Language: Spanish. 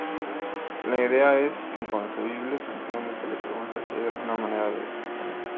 La idea es inconcebible y tranquilamente le pregunta si hay alguna manera de detenerlo.